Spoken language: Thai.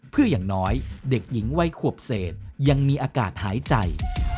เพื่ออย่างน้อยเด็กหญิงวัยขวบเศษยังมีอากาศหายใจ